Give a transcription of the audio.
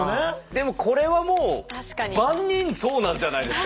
でもこれはもう万人そうなんじゃないですか？